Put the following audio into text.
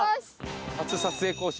初撮影交渉？